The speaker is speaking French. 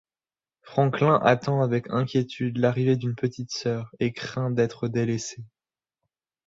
Franklin attend avec inquiétude l'arrivée d'une petite sœur, et craint d'être délaissé.